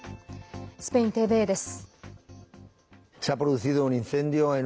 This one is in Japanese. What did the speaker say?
スペインＴＶＥです。